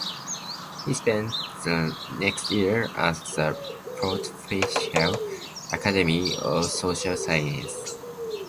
He spent the next year at the Pontifical Academy of Social Sciences.